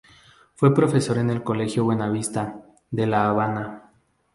Fue profesor en el colegio Buenavista, de La Habana.